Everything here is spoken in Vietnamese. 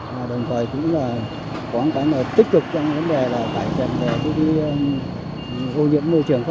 mà đồng thời cũng là có một cái là tích cực trong vấn đề là cải truyền về vụ đi ô nhiễm môi trường phát đáng ra ngoài